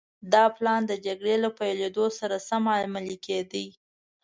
دا پلان د جګړې له پيلېدو سره سم عملي کېده.